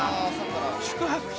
宿泊費